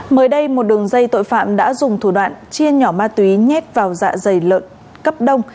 mới đây một đường dây tội phạm đã dùng thủ đoạn chia nhỏ ma túy nhét vào dạ dày lợn cấp đông